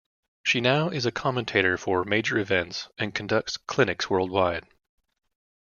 She now is a commentator for major events, and conducts clinics worldwide.